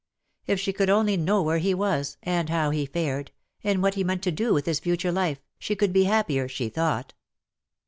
If she could only know where he was, and how he fared, and what he meant to do with his future life, she could be happier, she thought.